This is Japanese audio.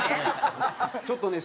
ちょっとね